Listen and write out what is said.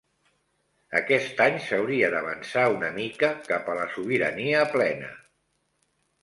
Aquest any s'hauria d'avançar una mica cap a la sobirania plena.